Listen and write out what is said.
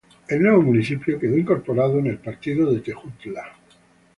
El nuevo municipio quedó incorporado en el partido de Tejutla.